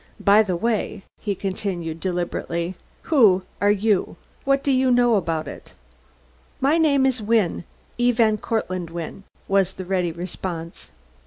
"By the way," he continued deliberately, "who are you? What do you know about it?" "My name is Wynne E. van Cortlandt Wynne" was the ready response.